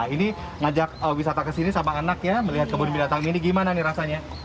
ini ngajak wisata kesini sama anak ya melihat kebun binatang ini gimana nih rasanya